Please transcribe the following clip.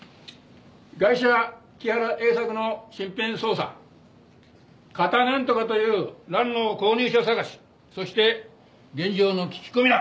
ガイシャ木原栄作の身辺捜査カタなんとかという蘭の購入者探しそして現場の聞き込みだ。